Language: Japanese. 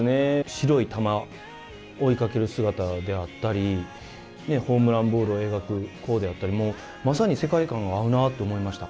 白い球を追いかける姿であったりホームランボールを描く弧であったりもう、まさに世界観が合うなと思いました。